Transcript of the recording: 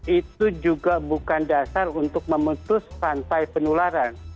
itu juga bukan dasar untuk memutus rantai penularan